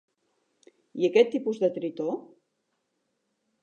I aquest tipus de tritó?